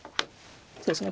そうですね。